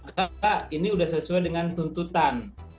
pak ini sudah sesuai dengan tuntutan